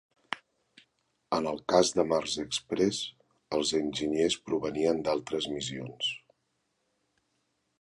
En el cas de Mars Express, els enginyers provenien d'altres missions.